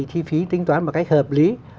chi phí tính toán một cách hợp lý